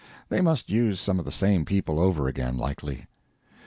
They must use some of the same people over again, likely.